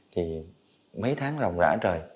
thì mấy tháng rồng rã trời